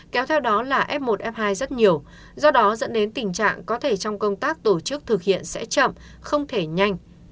kéo theo đó là f một f hai rất nhiều do đó dẫn đến tình trạng có thể trong công tác tổ chức thực hiện sẽ chậm không thể nhanh